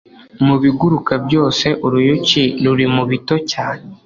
mu biguruka byose, uruyuki ruri mu bito cyane